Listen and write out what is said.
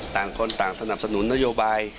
ต่างคนต่างสนับสนุนนโยบาย